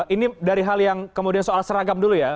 ini dari hal yang kemudian soal seragam dulu ya